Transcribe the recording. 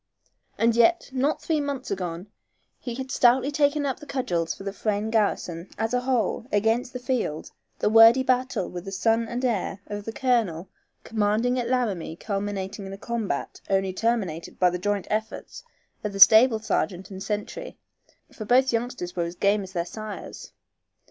And yet, not three months agone he had stoutly taken up the cudgels for the Frayne garrison, as a whole, against the field, the wordy battle with the son and heir of the colonel commanding at Laramie culminating in a combat only terminated by the joint efforts of the stable sergeant and sentry, for both youngsters were game as their sires.